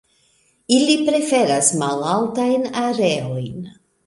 Ili preferas malaltajn areojn.